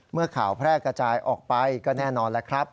เมื่อข่าวแพร่กระจายออกไปก็แน่นอนแล้วครับ